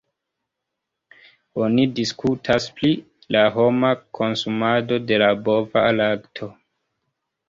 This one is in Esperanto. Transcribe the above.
Oni diskutas pri la homa konsumado de la bova lakto.